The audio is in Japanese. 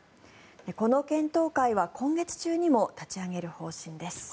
この検討会は今月中にも立ち上げる方針です。